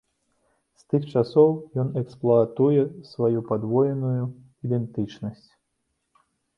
З тых часоў ён эксплуатуе сваю падвоеную ідэнтычнасць.